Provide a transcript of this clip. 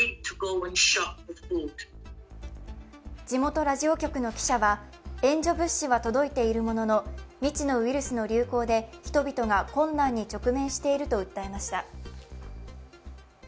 地元ラジオ局の記者は援助物資は届いているものの未知のウイルスの流行で人々が困難に直面していると訴えました。